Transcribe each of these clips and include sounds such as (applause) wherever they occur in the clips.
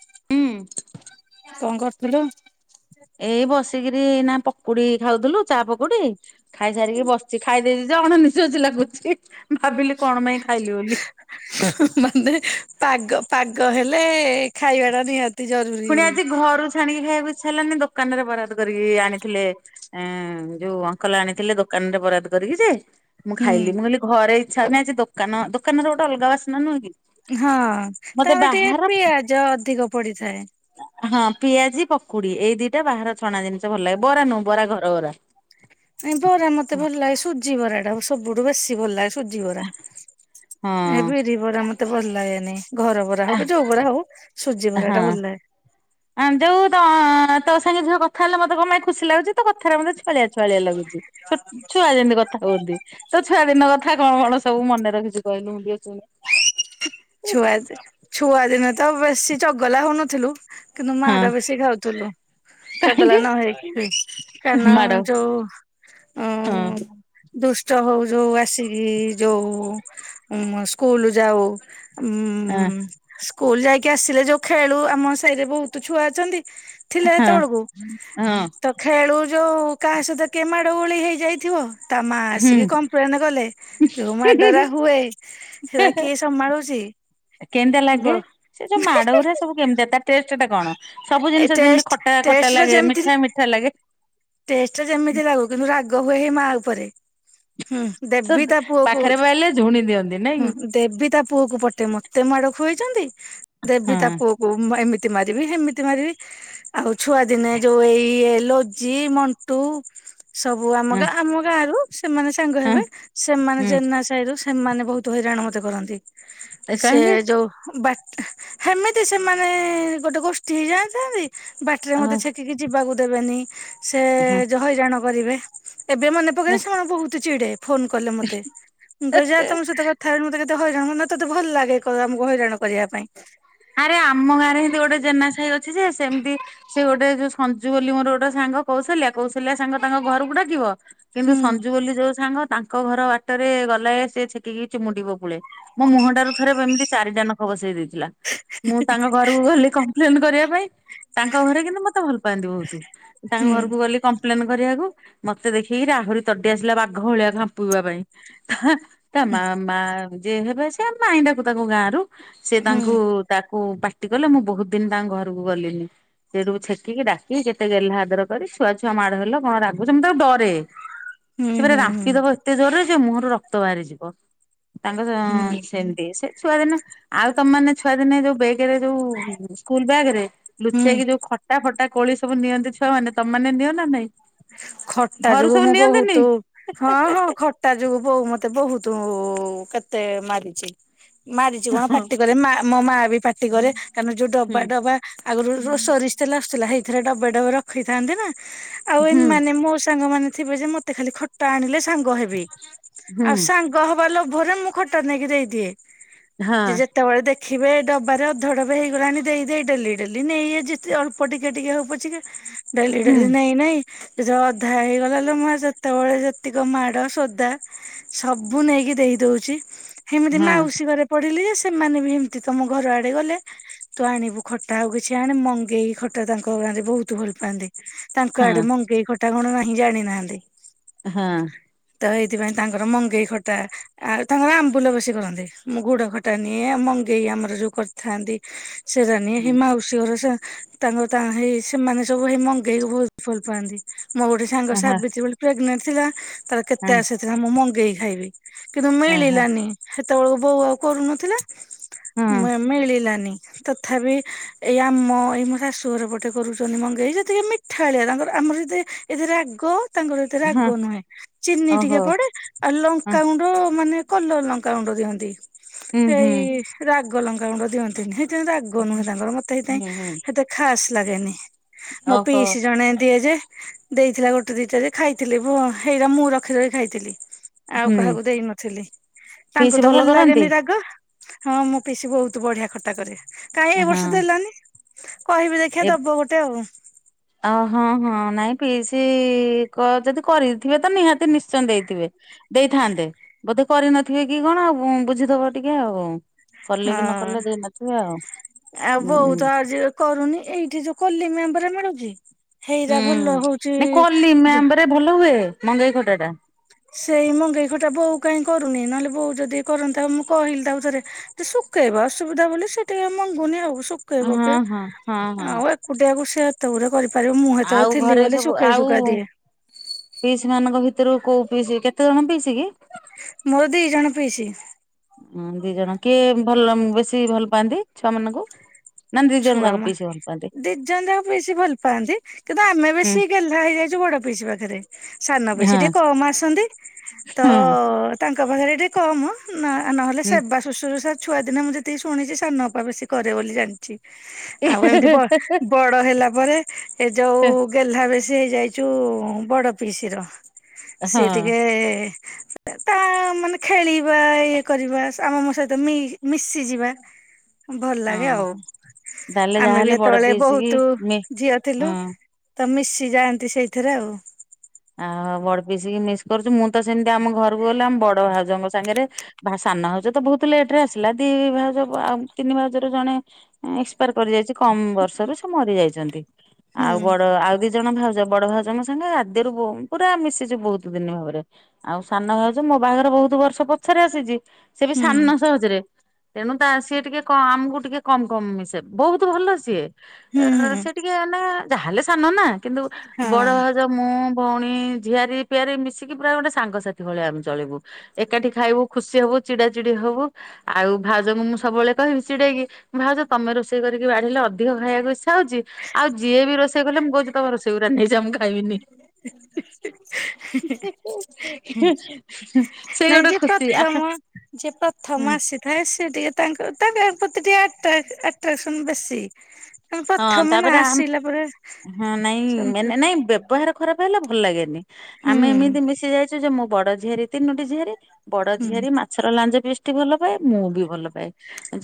ଉଁ। କଣ କରୁଥିଲୁ? ଏଇ ବସିକିରି ଏଇନା ପକୁଡି ଖାଉଥିଲୁ ଚା ପକୁଡି। ଖାଇ ସାରିକି ବସିଛି ଖାଇଦେଇଛି ଯେ ଅଣନିଃଶ୍ବାସୀ ଲାଗୁଛି ଭାବିଲି। କଣ ପାଇଁ ଖାଇଲି ବୋଲି। ମାନେ ପାଗ ପାଗ ହେଲେ ଖାଇବା ଟା ନିହାତି ଜରୁରୀ। ପୁଣି ଆଜି ଘରୁ ଛାଣିକି ଖାଇବାକୁ ଇଚ୍ଛା ହେଲାନି ଦୋକାନ ରେ ବରାଦ କରିକି ଆଣିଥିଲେ ଏଁ ଯୋଉ ଅଙ୍କଲ ଆଣିଥିଲେ ଦୋକାନ ରେ ବରାଦ କର ରିକି ଯେ ମୁଁ ହୁଁ ଖାଇଲି ମୁଁ କହିଲି ଘରେ ଇଚ୍ଛା ନାଇ ଯେ ଦୋକାନ ଦୋକାନ ର ଗୋଟେ ଅଲଗା ବାସ୍ନା ନୁହ କି। ହଁ ମତେ ତାଙ୍କର ଟିକେ ବାହାର ପିଆଜ ଅଧିକ ପଡିଥାଏ। ହଁ ପିଆଜି ପକୁଡି ଏଇ ଦିଟା ବାହାର ଛଣା ଜିନିଷ ଭଲ ଲାଗେ ବରା ନୁଁ ବରା ଘର ବରା। ନାଇଁ ବରା ମତେ ଭଲ ଲାଗେ ସୁଜି ବରା ଟା ସବୁଠୁ ବେଶୀ ଭଲ ଲାଗେ। ସୁଜିିବରା ଏ ହଁ ବିରିବରା ମତେ ଭଲ ଲାଗେନି। ଘର ବରା ହଉ କି ଯୋଉ ବରା ହଉ ସୁଜି ବରା ଟା ହଁ ଭଲ ଲାଗେ। ଯୋଉ ତ ତୋ ସାଙ୍ଗେ ଝିଅ କଥା ହେଲେ ମତେ କଣ ପାଇଁ ଖୁସି ଲାଗୁଛି ତୋ କଥାରେ ମୋତେ ଛୁଆଳିଆ ଛୁଆଳିଆ ଲାଗୁଛି। ଛୋଟ ଛୁଆ ଯେମିତି କଥା କୁହନ୍ତି ତୋ ଛୁଆ ଦିନ କଥା କଣ କଣ ସବୁ ମନେ ରଖିଛୁ। କହିଲୁ ମୁଁ ଟିକେ ଶୁଣେ। ଛୁଆ ଛୁଆ ଦିନ ତ ବେଶୀ ଚଗଲା ହଉନଥିଲୁ। କିନ୍ତୁ ମାଡ ହଁ ବେଶୀ ଖାଉଥିଲୁ। ଚଗଲା କାହିଁକି ନ ହେଇକିି ବି କାରଣ ମାଡ ଯଉ ହଁ ଉଁ ଦୁଷ୍ଟ ହଉ ଯୋଉ ଆସିକି ଯୋଉ ସ୍କୁଲ ଯାଉ ହଁ ଉଁ ସ୍କୁଲ ଯାଇକି ଆସିଲେ ଯୋଉ ଖେଳୁ ଆମ ସାହିରେ ବହୁତ ଛୁଆ ଅଛନ୍ତି। ଥିଲେ ହଁ। ସେତେବେଳକୁ ହଁ। ତ ଖେଳୁ। ଯୋଉ କାହା ସହିତ କେ ମାଡ଼ ଗୋଳି ହେଇଯାଇଥିବ। ତା ମା ହୁଁ ଆସିକି କମ୍ପ୍ଲେନ କଲେ ଯୋଉ ମାଡ ଗୁ୍ରା ହୁଏ ସେଟା କିଏ ସମ୍ଭାଳୁଛି। କେନ୍ତିଆ ବ ଲାଗେ ସେ ଯୋଉ ମାଡଗୁ୍ରା ସବୁ କେମିତି ତା ଟେଷ୍ଟ ଟା କଣ ସବୁ ଏ ଜିନିଷ ଯେମତି ଟେଷ୍ଟ ଖ ଖଟା ଟେଷ୍ଟ ଖଟା ର ଲାଗେ ଯେମିତି ମିଠା ମିଠା ଲାଗେ। ଟେଷ୍ଟ ଟା ଯେମିତି ଲାଗୁ କିନ୍ତୁ ରାଗ ହୁଏ ହେ ମା ଉପରେ। ହୁଁ ସେ ଦେବି ତା ପୁଅକୁ ହଁ ପାଖରେ ପାଇଲେ ଝୁଣି ଦିଅନ୍ତି ନାଇଁ କି? ଦେବୀ ତା ପୁଅକୁ ପଟେ ମତେ ମାଡ ଖୁଆଇଛନ୍ତି ଦେବୀ ହଁ ତା ପୁଅକୁ ଏମିତି ଏମିତି ମାରିବି ସେମିତି ମାରିବି ଆଉ ଛୁଆ ଦିନେ ଯୋଉ ଏଇ ଲ ଅଜି ମଣ୍ଟୁ ସବୁ ଆମ ହଁ ଗାଁ ଆମ ଗାଁ ରୁ ସେମାନେ ସାଙ୍ଗ ହଁ ହେବେ ସେମାନେ ହୁଁ ଜେନା ସାହି ରୁ ସେମାନେ ବହୁତ ହଇରାଣ ମତେ କରନ୍ତି। ସେ କାହିଁକି? ଯୋଉ ବା ସେମିତି ସେମାନେ ଗୋଟେ ଗୋଷ୍ଠୀ ହେଇ ଜାଇଥାନ୍ତି। ବାଟରେ ଅ ମତେ ଛେକିକି ଯିବାକୁ ଦେବେନି ସେ ହଁ ହଇରାଣ କରିବେ। ଏବେ ମନେ ପକେଇଲେ ସେମାନେ ବହୁତ ଚିଡେ ଫୋନ କଲେ ମତେ ମୁଁ କହେ ଯା ତମ ସହିତ କଥା ହେବିନି ମତେ କେତେ ହଇରାଣ ମାନେ ତତେ ଭଲ ଲାଗେ ଆମକୁ ହଇରାଣ କରିବା ପାଇଁ। ଆରେ ଆମ ଗାଁରେ ଏମିତି ଗୋଟେ ଜେନା ସାହି ଅଛି ଯେ ସେମିତି ସେ ଗୋଟେ ଯୋଉ ସଞ୍ଜୁ ବୋଲି ମୋର ଗୋଟେ ସାଙ୍ଗ କୌଶଲ୍ୟା କୌଶଲ୍ୟା ସାଙ୍ଗ ତାଙ୍କ ଘରକୁ ଡକିବ। କିନ୍ତୁ ହୁଁ ସଞ୍ଜୁ ବୋଲି ଯୋଉ ସାଙ୍ଗ ତାଙ୍କ ଘର ବାଟରେ ଗଲେ ସେ ଛେକିକି ଚୁମୁଟିବ ପୁଳେ। ମୋ ମୁହଁ ଟାରୁ ଥରେ ଏମିତି ଚାରିଟା ନଖ ବସେଇ ଦେଇଥିଲା। ମୁଁ ତାଙ୍କ ଘରକୁ ଗଲି କମ୍ପ୍ଲେନ କରିବା ପାଇଁ। ତାଙ୍କ ଘରେ କିନ୍ତୁ ମତେ ଭଲ ପାଆନ୍ତି ବହୁତ ତାଙ୍କ ହୁଁ ଘରକୁ ଗଲି କପ୍ଲେନ କରିବାକୁ ମତେ ଦେଖିକି ଆହୁରି ତଡି ଆସିଲା ବାଘ ଭଳିଆ ଝାମ୍ପିବା ପାଇଁ। ତା ମା ମା ଯିଏ ହେବେ ସେ ମାଇଁ ଡାକୁ ତାଙ୍କ ଗାଁରୁ ସେ ହୁଁ ତାଙ୍କୁ ତାକୁ ପାଟି କଲେ ମୁଁ ବହୁତ ଦିନ ତାଙ୍କ ଘରକୁ ଗଲିନି। ସେଇଠୁ ଛେକିକି ଡାକି କେତେ ଗେଲ୍ହା ଆଦର କରି ଛୁଆ ଛୁଆ ମାଡ ହେଲ କଣ ରାଗୁଛୁ ମୁଁ ତାକୁ ଡରେ। ହୁଁ ସେ ମାନେ ହୁଁ ହୁଁ ରାମ୍ପିଦବ ଏତେ ଜୋରରେ ଯେ ମୁହଁରୁ ରକ୍ତ ବାହାରି ଯିବ। ତାଙ୍କ ହୁଁ ସେମିତି ସେ ଛୁଆ ଦିନେ ଆଉ ତମ ମାନେ ଛୁଆ ଦିନେ ଯୋଉ ବେ ଗରେ ଯୋଉ ସ୍କୁଲ ବ୍ୟାଗରେ ହୁଁ ଲୁଚେଇକି ଯୋଉ ଖଟା ଫଟା କୋଳି ସବୁ ନିଅନ୍ତି ଛୁଆ ମାନ ତମେ ମାନେ ନିଅ ନା ନାଇଁ? ଖଟା ଘରୁ ଯୋଗୁ ସବୁ ମୁଁ ନିଅନ୍ତିନି? ବହୁତ ହଁ ହଁ ଖଟା ଯୋଗୁ ବୋଉ ମତେ ମତେ ବହୁତ କେତେ ମାରିଛି। ମାରିଛି କଣ ପାଟି କରେ ମା ମୋ ମା ବି ପାଟି କରେ କାରଣ ଯୋଉ ହୁଁ। ଡବା ଡବା ଆଗରୁ ର ସୋରିଷ ତେଲ ଆସୁଥିଲା ସେଇଥିରେ ଡବେ ଡବେ ରଖିଥାନ୍ତି ନା ଆଉ ହୁଁ ଏମାନେ ମୋ ସାଙ୍ଗ ମାନେ ଥିବେ ଯେ ମତେ ଖାଲି ଖଟା ଆଣିଲେ ସାଙ୍ଗ ହେବି ହୁଁ ଆଉ ସାଙ୍ଗ ହବା ଲୋ ଲୋଭରେ ମୁଁ ଖଟା ନେଇକି ଦେଇଦିଏ ହଁ ଯେ ଯେତେବେଳେ ଦେ ଦେଖିବେ ଡବାରେ ଅଧଡବ ହେଇଗଲାଣି ଦେଇ ଡେଲି ଡେଲି ନେଇ ଯେତେ ଅଳ୍ପ ଟିକେ ଟିକେ ହଉ ପଛିିକା। ଡେଲି ହୁଁ ଡେଲି ନେଇ ନେଇ। ଅଧା ହେଇଗଲା ଲୋ ମା ଯେତେବେଳେ ଯେତିକ ମାଡ ସୋଦା। ସବୁ ନେଇକି ଦେଇ ଦଉଛି ସେମିତି ହଁ ମାଉସୀ ଘରେ ପଢିଲି ଯେ ସେମାନେ ବି ଏମିତି ତମ ଘର ଆଡେ ଗଲେ ତୁ ଆଣିବୁ ଖଟା ଆଉ କିଛି ଆଣେ ମଙ୍ଗେଇ ଖଟା ତାଙ୍କ ବହୁତ ଭଲ ପାଆନ୍ତି ତାଙ୍କ ହଁ ଆଡେ ମଙ୍ଗେଇ ଖଟା କଣ ନାହିଁ ଜାଣିନାହାନ୍ତି। ହଁ ତ ଏଇଥିପାଇଁ ତାଙ୍କର ମଙ୍ଗେଇ ଖଟା ଆଉ ତାଙ୍କର ଆମ୍ବୁଲ ବେସି କରନ୍ତି ମୁଁ ଗୁଡ ଖଟା ନିଏ ମଙ୍ଗେଇ ଆମର ଯୋଉ କରିଥାନ୍ତି ସେରା ହେ ମାଉସୀ ଘର ତାଙ୍କର ହେଇ ସେମାନେ ସବୁ ହେଇ ମଙ୍ଗେଇକୁ ଭଉତ ଭଲ ପାଆନ୍ତି। ମୋ ଗୋଟେ ସାଙ୍ଗ ହଁ ହଁ ସାବିତ୍ରୀ ବୋଲି ପ୍ରେଗନେଣ୍ଟ ଥିଲା ତାର କେତେ ଆଶା ଥିଲା ମୁଁ ମଙ୍ଗେଇ ଖାଇବି। କିନ୍ତୁ ହଁ ମିଳିଲାନି ସେତେବେଳକୁ ବୋଉ ଆଉ କରୁନଥିଲା ହଁ। ମିଳିଲାନି। ତଥାପି ଏଇ ଆମ ଏଇ ମୋ ଶାଶୁ ଘର ପଟେ କରୁଛନ୍ତି ମଙ୍ଗେଇ ସେତିକି ମିଠାଳିଆ ତାଙ୍କର! ଆମର ଏତ ଏତେ ରାଗ! ତାଙ୍କର ଏତରେ ହଁ ରାଗ ନୁହେଁ ଚିନି ଟିକେ ଓହୋ ପଡେ ଆଉ ହଁ ଲଙ୍କାାଗୁଣ୍ଡ ମାନେ! କଲର ଲଙ୍କା ଗୁଣ୍ଡ ଦିଅନ୍ତି ହୁଁ ହୁଁ ସେଇ ରାଗ ଲଙ୍କା ଗୁଣ୍ଡ ଦିଅନ୍ତିନି! ରାଗ ନୁହେଁ ତାଙ୍କର ମତେ ସେଇଥିପାଇଁ ହୁଁ ହୁଁ ସେତେ ଖାସ ଲାଗେନି! ମୋ ଓହୋ ପିଇସ ଜଣେ ଦିଏ ଯେ ଦେଇଥିଲା ଗୋଟେ ଦିଟା ଯେ ଖାଇଥିଲି ଭୁହ! ସେଇଟା ମୁଁ ରଖି ରଖି ଖାଇଥିଲି! ଆଉ ହୁଁ କାହାକୁ ଦେଇନଥିଲି ତାଙ୍କୁ ପିଇସି ତ ଭଲ କରନ୍ତି ଲାଗେନି ରାଗ! ହଁ ମୁଁ ପିସି ବହୁତ ବଢିଆ ଖଟା କରେ କାହିଁ ଏ ହଁ ବର୍ଷ ତ ହେଲାନି? କହିବି ଦେଖିିବା ଦବ ଗୋଟେ ଆଉ! ଅହଁ ହଁ ନାଇଁ ପିଇସି ଯଦି କରିଥିବେ ତ ନିହାତି ନିଶ୍ଚୟ ଦେଇଥିବେ! ଦେଇଥାନ୍ତେ ବୋଧେ କରିନଥିବେ କି କଣ ଆଉ ବୁଝିଦବ ଟିକେ ଆଉ! କଲେ ହଁ କି ନ କଲେ ଦେଇନଥିବେ ଆଉ ଆଉ ହୁଁ ହୁଁ ବୋଉତ ଆଜି କରୁନି ଏଇଠି ଯୋଉ! କଲିମି ଆମ୍ବ ରେ ମିଳୁଛି! ହୁଁ ହେଇରା ଭଲ ହଉଛି ନଁ କଲିମି ଆମ୍ବ ରେ ଭଲ ହୁଏ ମଙ୍ଗେଇ ଖଟା ଟା! ସେଇ ମଙ୍ଗେଇ ଖଟା ବୋଉ କାହିଁ କରୁନି ନହେଲେ ବୋଉ ଯଦି କରନ୍ତା ଆଉ ମୁଁ କହିଲି ତାଉ ଥରେ! ଶୁଖେଇବା ଅସୁବିଧା ବୋଲି ସେ ଟିକେ ମଙ୍ଗୁନି ହବ ଶୁଖେଇବ ହଁ କି ହଁ ହଁ ହଁ। ଆଉ ଏକୁଟିଆକୁ ସେ! ତରେ କରିପାରିବ ମୁଁ ଆଉ ସେତେବେଳେ ଥିଲି ଘରେ ବୋଲି ସବୁ ଶୁଖେଇ ଆଉ ସୁଖା ଦିଏ! କେରୁ କୋଉ ପିଇସି କେତେ ଜଣ ପିଇସି କି? ମୋର ଦି ଜଣ ପିଇସି! ହ ଦି ଜଣ କିଏ ଭଲ ବେଶୀ ଭଲ ପାଆନ୍ତି ଛୁଆ ମାନଙ୍କୁ? ଛୁଆ ମା ରାସ (inaudible) ଦି ଜଣ ଯାକ ବେଶୀ ଭଲ ପାଆନ୍ତି କିନ୍ତୁ ଆମେ ହୁଁ ବେଶୀ ଗେହ୍ଲା ହେଇଯାଇଛୁ ବଡ ପିଇସିୀ ପାଖରେ! ସାନ ପଇସା ହଁ ଟିକେ କମ ଆସନ୍ତି ତ ତାଙ୍କ? ବରେ ଟେ କମ ନହେଲେ ସେ ହୁଁ। ବା ଶୁଶୁରଷ (inaudible) ଛୁଆଦିନେ ମୁଁ ଯେତିକି ଶୁଣିଛି ସାନ ବାପା ବେଶୀ କରେ ବୋଲି ଜାଣିଛି! ଆଉ ଏମିତି ବଡ ହେଲା ପରେ ଏ ଯୋଉ ଗେହ୍ଲା! ସେ ଯାଇଛୁ ବଡ ପିସିିର ସେିଏ ହଁ ଟିକେ! ତା ମାନେ ଖେଳିବା ଇଏ କରିବା ଆମ ମୋ ସହିତ ମି ମିଶିଯିବା! ଭଲ ଲାଗେ ହଁ। ଆଉ! ତାହେଲେ ଆମେ ବି ଯାହାହେଲେ ବଡ ଏତେବେଳେ ପିଇସି କି ବହୁତ ମି ଝିଅ ଥିଲୁ! ହଁ ତ ମିଶି ଯାଆନ୍ତି ସେଇଥିରେ ଆଉ! ଆ ବଡ ପିଶିକି ମିସ୍ କରୁଚୁ ମୁଁ ତ ସେମତି ଆମ ଘରକୁ ଗଲେ ଆମ ବଡ ଭାଉଜଙ୍କ ସାଙ୍ଗରେ ଭାଷା! ସାନ ହଉଜ ତ ବହୁତ ଲେଟ ରେ ଆସିଲା ଦି ଭାଉଜ ଆଉ ତିନି ଭାଉଜ ରୁ ଜଣେ ଏକ୍ସପାର କରିଯାଇଛି! କମ ବର୍ଷରୁ ସେ ମରି ଯାଇଛନ୍ତି ହୁଁ ଆଉ ବଡ ଆଉ ଦି ଜଣ ଭାଉଜ ବଡ ଭାଉଜଙ୍କ ସାଙ୍ଗେ! ମଦରୁ ପୁରା ମିଶିଛୁ ବହୁତ ଦିନ ଭାବରେ ଆଉ ସାନ ହୋଉଛୁ ମୋ ବାହାଘର ବହୁତ ବର୍ଷ ପଛରେ ଆସିଛି! ସେ ବି ହୁଁ ସାନ ସହଜରେ! ତେଣୁ ତା ସିଏ ଟିକେ ଆମକୁ ଟିକେ କମ କମ ମିଶେ ବହୁତ ଭଲ ସିଏ! ହୁଁ ହୁଁ ସେ ଟିକେ ଯାହାହଲେ ସାନ ନା କିନ୍ତୁ ବଡ! ହଁ ମୁଁ ଭଉଣୀ ଝିଆରିି ପିଆରି ମିଶିକି ପୁରା ଗୋଟେ ସାଙ୍ଗସାଥି ଭଳିଆ ଆମେ ଚଳିବୁ ଏକାଠି ଖାଇବୁ ଖୁସିହବୁ! ହବୁ ଚିଡା ଚିଡି ହବୁ ଆଉ ଭାଉଜ ମୁଁ ସବୁବେଳେ କହିବି ଚିଡେଇକି ଭାଉଜ ତମେ ରୋଷେଇ କରିକି ଅଧିକ ଖାଇବାକୁ ଇଛା ହଉଛି ଆଉ ଯିଏ ବି ରୋଷେଇ କଲେ ମୁଁ କହୁଛି ତମ ରୋଷେଇକୁ ରାନ୍ଧି ଦେଇଛ ମୁଁ ଖାଇବିନି (unintelligible) ହିି ହି ହି ସେଇ ନାଇଁ ଗୋଟେ ଯେ ଖୁସି ଆ ପ୍ରଥମ ଯେ ପ୍ରଥମା ଆସିଥାଏ ସେ ଟିକେ ତାଙ୍କ ତାଙ୍କ ପ୍ରତି ଆଟ୍ରା ଆଟ୍ରାକ୍ସନ୍ ବେଶୀ ଆମେ ହଁ ପ୍ରଥମେ ନା ତାପରେ ଆସିଲା ପରେ ହଁ ନାଇଁ ହୁଁ ମେନ ନାଇଁ ବ୍ୟବହାର! ଖରାପ ହେଲା ଭଲ ଲାଗେନି ଆମେ ଏମିତି ମିଶି ଯାଇଛୁ ଯେ ମୁଁ ବଡ ଝିଆରୀ ତିନୋଟି ଝିଆରୀ ବଡ ହୁଁ ଝିଆରୀ ମାଛର ଲାଞ୍ଜ ପିସ୍ ଟି ଭଲ ପାଏ ମୁଁ ବି ଭଲ ପାଏ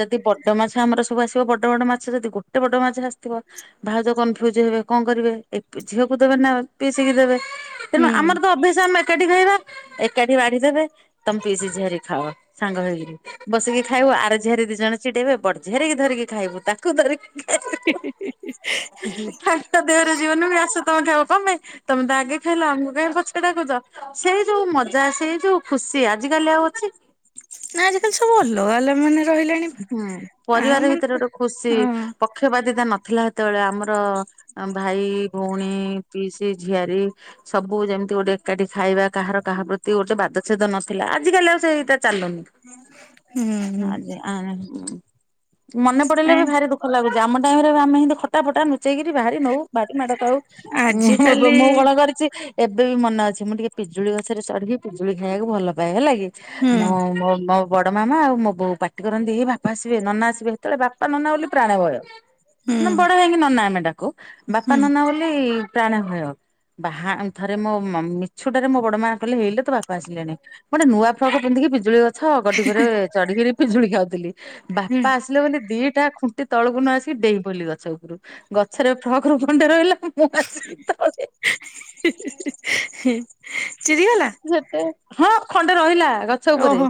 ଯଦି ବଡ ମାଛ ଆମର ସବୁ ଆସିବ ବଡ ବଡ ମାଛ ଯଦି ଗୋଟେ ବଡ ମାଛ ଆସେ ଥିବ ଭାଉଜ କନଫ୍ୟୁଜ ହେବେ କଣ କରିବେ ଝିଅକୁ ଦେବେ ନା ପିସିକି ଦେବେ ତେଣୁ ହୁଁ ଆମର ତ ଅଭ୍ୟାସ ଆମେ ଏକାଠି ରହିବା ଏକାଠି ବାଢିଦେବେ ତମେ ପିଇସୀ ଝିଆରୀ ଖାଅ ସାଙ୍ଗ ହେଇକିରି ବସିକି ଖାଇବୁ ଆର ଝିଆରୀ ଦି ଜଣ ଚିଡେଇବେ ବଡ ଝିଆରି କି ଧରିକି ଖାଇବୁ ତାକୁ ଧରିକି ହେ ହେ ହେ ତାଙ୍କ ଦେହର ଜୀବନ ବି ଆସ ତମ ଖାଇବ ତମେ ତମେ ତା ଆଗେ ଖାଇଲ ଆମକୁ କାଇ ପଛେ ଡାକୁଛ ସେଇ ଯୋଉ ମଜା ସେଇ ଯୋଉ ଖୁସି ଆଜି କାଲି ଆଉ ଅଛି ନା ଆଜିକାଲି ସବୁ ଅଲଗା ହେଲା ମାନେ ରହିଲାଣି ହୁଁ ଆ ପରିବାର ମାନେ ଭିତରେ ଗୋଟେ ଖୁସି ହଁ ପକ୍ଷପାତିତା ନ ଥିଲା ସେତେବେଳେ ଆମର ଭାଇ ଭଉଣୀ ପିଇସି ଝିଆରୀ ସବୁ ଯେମତି ଗୋଟେ ଏକାଠି ଖାଇବା କାହାର କାହା ପ୍ରତି ଗୋଟେ ବାଦଛେଦ ନଥିଲା ଆଜିିକାଲି ଆଉ ସେଇଟା ଚାଲୁନି। ହୁଁ ହଁ ଆଜି ଆ ମନେ ପଡିଲେ ବି ଭାରି ଦୁଃଖ ଲାଗୁଛି ଆମ ଟାଇମରେ ଆମେ ଏମତି ଖଟା ଫଟା ନ ଚେଇକରି ବାହାରି ନଉ ଭାରି ମାଡ ଖାଉ ଆଜିକାଲି (unintelligible) ମୁଁ କଣ କରିଛି ଏବେ ବି ମନ ଅଛି ମୁଁ ଟିକେ ପିଜୁଳି ଗଛରେ ଚଢିକି ପିଜୁଳି ଖାଇବାକୁ ଭଲ ପାଏ ହେଲା କି ହୁଁ ମୁଁ ମୋ ମୋ ବଡ ମାମା ଆଉ ମୋ ବୋଉ ପା କରନ୍ତି ଏ ବାପା ଆସିବେ ନନା ଆସିବେ ସେତେବେଳେ ବାପା ନନା ବୋଲି ପ୍ରାଣ ଭୟ ହୁଁ ନା ବଡ ହେଇକି ନନା ଆମେ ଡ଼ାକୁ ବାପା ହୁଁ ନନା ବୋଲି ପ୍ରାଣ ଭୟ ବାହା ଥରେ ମୋ ମିଛୁଟାରେ ମୋ ବଡ ମା କହିଲେ ହେଇଲୋ ତ ବାପ ଆସିଲେଣି ଗୋଟେ ନୂଆ ଫ୍ରକ ପିନ୍ଧିକି ପିଜୁଳି ଗଛ ଗୋଟିକରେ ଚଢିକିରି ପିଜୁଳି ଖାଉଥିଲି ହୁଁ ବାପା ଆସିଲେ ବୋଲି ଦି ଏଟା ଖୁଣ୍ଟି ତଳକୁ ନ ଆସିକି ଡେଇଁ ପଇଲି ଗଛ ଉପରୁ ଗଛରେ ଫ୍ରକ ରୁ ଖଣ୍ଡେ ରହିଲା ମୁଁସତା ଅେ (unintelligible) ଚିରିଗଲା ସେତେ ହଁ ଖଣ୍ଡେ ରହିଲା ଆ ଗଛ ଉପରେ ଓହୋ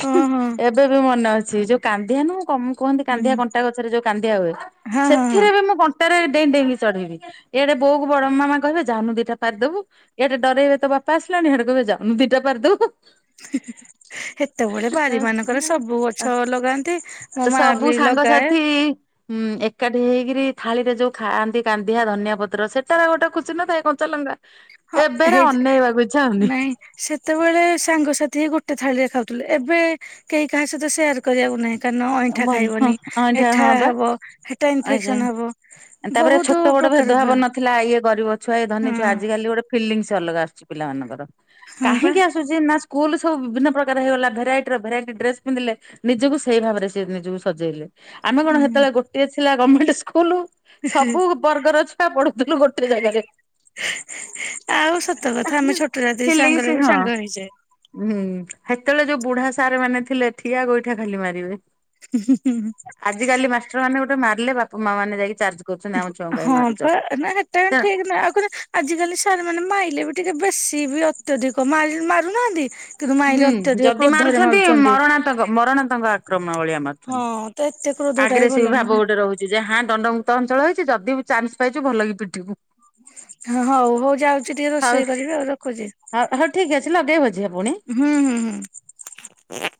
ହିଁ ଓହୋ ଏବେ ବି ମନେ ଅଛି ସେ ଯୋଉ କାନ୍ଦିଆ ନୁହେଁ କହନ୍ତି ହୁଁ କାନ୍ଦିଆ କଣ୍ଟା ଗଛରେ ଯୋଉ କାନ୍ଦିଆ ହୁଏ ହଁ ହଁ ହଁ ସେଥିରେ ବି ମୁଁ (unintelligible) ଡେଇଁ ଡେଇଁ କି ଚଢ଼ିବି ଇଆଡେ ବୋଉକୁ ବଡ ମାମା କହିବେ ଯାଉନୁ ଦିଟା ପାରି ଦେବୁ ଇଆଡେ ଡରେଇବେ ତୋ ବାପା ପା ଆସିଲାଣିି ସିଆଡେ କହିବେ ଯାଉନୁ ଦିଟା ପାରି ଦେ ହୁ ହୁ (inaudible) ହି ହିି ସେତେବେଳେ ବାରି ମାନଙ୍କର ସବୁ ଗଛ ଲଗାନ୍ତି ମୋ ମା ସବୁ ବି ଲଗାଏ ସାଙ୍ଗସାଥି ହୁଁ ଏକା ହେଇକି ଥାଳିରେ ଯଉ ଖାଆନ୍ତି କାନ୍ଦିଆ ଧନିଆ ପତ୍ର ସେଟା ଗୋଟେ ଖୁସି ନଥାଏ କଞ୍ଚା ଲଙ୍ଗା ହଁ ଏବେରେ ହେଇ ଅନେଇବାକୁ ଇଚ୍ଛା ହଉନି। ନାଇଁ ସେତେବେଳେ ସାଙ୍ଗ ସେଥିରେ ଗୋଟେ ଥାଳିରେ ଖାଉଥିଲେ ଏବେ କେହି କାହା ସହିତ ସେୟାର କରିବାକୁ ନାହିଁ କାରଣ ଅଇଁଠା ଭଲ ହଁ ଖାଇବନି ହଁ ଏଇଟା ଏଠା ହଁ ବା ହବ ହେଠା ଆ ଇନଫେକ୍ସନ ହବ ତାପରେ ବହୁତୁ ଛୋଟ ଭେଦଭାବ ନଥିଲା ଇଏ ଗରିବ ଛୁଆ ଇଏ ଧନି ହୁଁ ଛୁଆ ଆଜିକାଲି ଗୋଟେ ଫିଲିଙ୍ଗସ୍ ଅଲଗା ଆସୁଛି ପିଲାମାନାନଙ୍କର ହଁ ପା। କାହିଁକି ଆସୁଛି ନା ସ୍କୁଲ ସବୁ ବିଭିନ୍ନ ପ୍ରକାର ହେଇଗଲା ଭେରାଇଟି ର ଭେରାଇଟି ଡ୍ରେସ ପିନ୍ଧିଲେ ନିଜକୁ ସେଇ ଭାବରେ ନିଜକୁ ସଜେଇଲେ ଆମେ କଣ ହୁଁ ସେତେବେଳେ ଗୋଟଏ ଥିଲା ଗମେଣ୍ଟ ସ୍କୁଲ ସବୁ ବର୍ଗର ଛୁଆ ପଢୁଥିଲୁ ଗୋଟେ ଜାଗାରେ ଆଉ ସତ କଥା ଆମେ (unintelligible) ଛୋଟ ରାତି ହେଲେ କି ସାଙ୍ଗରେ ସେ ବି ହଁ ସାଙ୍ଗ ହେଇଯାଏ। ହୁଁ ସେତେବେଳେ ଯୋଉ ବୁଢା ସାର ମାନେ ଥିଲେ ଠିଆ ଗୋଇଠା ଖାଲି ମାରିବେ ଆଜ କାଲି ମାଷ୍ଟର ମାନେ ଗୋଟେ ମାରିଲେ ବାପା ମା ମାନେ ଯାଇକି ଚାର୍ଜ କରୁଛନ୍ତି ଆମ ଛୁଆଙ୍କୁ କାଇଁ ହଁ ମାରୁଛ। ପା ନା ଏଟା ତେଣୁ ଠିକ ନୁହଁ ଆଉ କହୁଛନ୍ତି ଆଜିକାଲି ସାର ମାନେ ମାଇଲେ ବି ଟିକେ ବେସି ସିବି ଅତ୍ୟଧିକ ମାରି ମାରୁନାହାନ୍ତି କିନ୍ତୁ ହୁଁ ମାଇଲେ ଅତ୍ୟଧିକ ଯଦି କ୍ରୋଧରେ ମାରୁଛନ୍ତି ମାରୁଚନ୍ତି। ମ ଭଳିଆ ମାରୁଚନ୍ତି କ୍ରୋଧ ଟା ବି ଆଗରେ ସେ ଭଲ ଭାବ ନୁହେଁ। ଗୋଟେ ରହୁଛି ଯେ ହ୍ନା ଦଣ୍ଡମୁକ୍ତ ଅଞ୍ଚଳ ହେଇଚି ଯଦି ବି ଚାନ୍ସ ପାଇଚୁ ଭଲକି ପିଟିବୁ ହଉ ହଉ ଯାଉଛି ଟିକେ ହଉ ରୋଷେଇ କରିବି ଆଉ ରଖୁଚି ହଉ ହଉ ଠିକ ଅଛି ଲଗେଇବ ଝିଅ ପୁଣି। ହୁଁ ହୁଁ ହୁଁ।